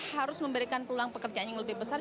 harus memberikan peluang pekerjaan yang lebih besar